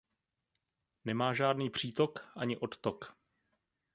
Nemá žádný přítok ani odtok.